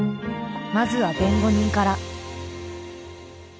まずは弁護人から。